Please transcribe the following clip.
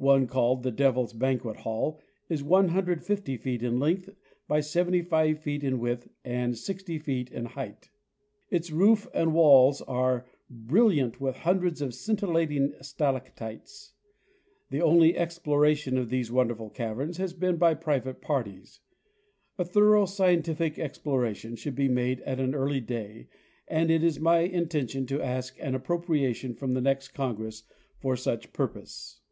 One, called "The Devil's Banquet Hall," is 150 feet in length by 75 feet in width and 60 feet in height. Its roof and walls are bril liant with hundreds of scintillating stalactites. The only explo ration of these wonderful caverns has been by private parties. A thorough, scientific exploration should be made at an early day, and it is my intention to ask an appropriation from the next Congress for such purpose.